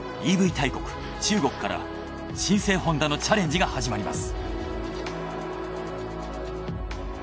大国中国から新生ホンダのチャレンジが始まります。